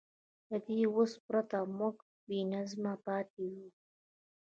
له دې وس پرته به موږ بېنظمه پاتې وو.